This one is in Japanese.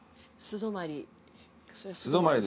素泊まり。